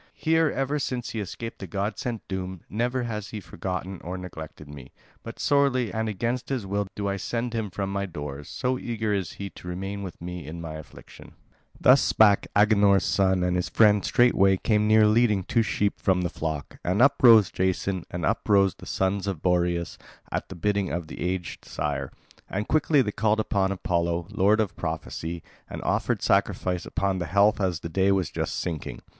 Here, ever since he escaped the god sent doom, never has he forgotten or neglected me; but sorely and against his will do I send him from my doors, so eager is he to remain with me in my affliction." Thus spake Agenor's son; and his friend straightway came near leading two sheep from the flock. And up rose Jason and up rose the sons of Boreas at the bidding of the aged sire. And quickly they called upon Apollo, lord of prophecy, and offered sacrifice upon the health as the day was just sinking.